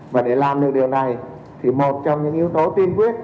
và để làm được điều này thì một trong những yếu tố tiên quyết